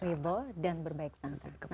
ridho dan berbaik sangka